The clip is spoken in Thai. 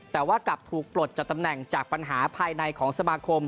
แต่ว่ากลับถูกปลดจากตำแหน่งจากปัญหาภายในของสมาคม